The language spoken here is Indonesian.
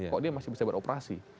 kok dia masih bisa beroperasi